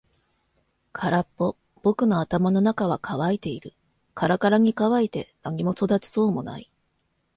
空っぽ。僕の頭の中は乾いている。からからに乾いて何も育ちそうもない。